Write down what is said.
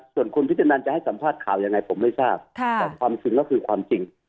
ส่วนคุณพิจนันจะให้สัมภาษณ์ข่าวยังไงผมไม่ทราบแต่ความจริงก็คือความจริง